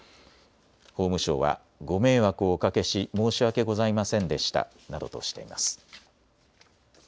法務省は、ご迷惑をおかけし申し訳ございませんでしたなどとしています。